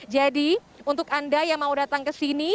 jadi untuk anda yang mau datang ke sini